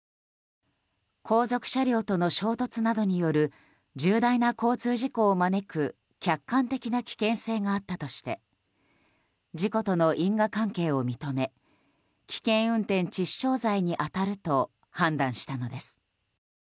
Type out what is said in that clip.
後続車両との衝突などによる重大な交通事故を招く客観的な危険性があったとして事故との因果関係を認め危険運転致死傷罪に当たると判断したのです。